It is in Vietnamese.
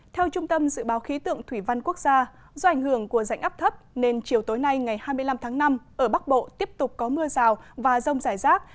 theo trung tâm dự báo khí tượng thủy văn quốc gia do ảnh hưởng của rãnh áp thấp nên chiều tối nay ngày hai mươi năm tháng năm ở bắc bộ tiếp tục có mưa rào và rông rải rác